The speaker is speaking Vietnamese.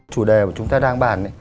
chủ đề mà chúng ta đang bàn